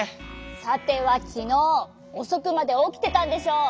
さてはきのうおそくまでおきてたんでしょ？